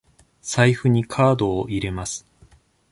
財布にカードを入れます。